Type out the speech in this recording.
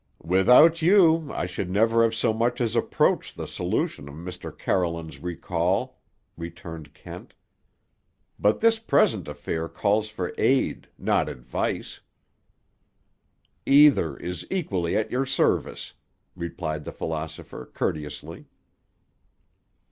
"Without you, I should never have so much as approached the solution of Mr. Carolan's recall," returned Kent. "But this present affair calls for aid, not advice." "Either is equally at your service," replied the philosopher courteously.